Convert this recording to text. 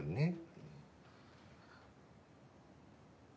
えっ？